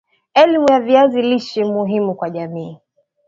Elimu ya viazi Lishe muhimu kwa jamii